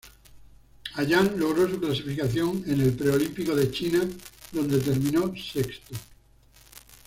Allan logro su clasificación en el pre olímpico de China donde terminó sexto.